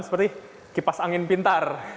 seperti kipas angin pintar